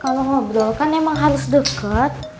kalau ngobrol kan emang harus deket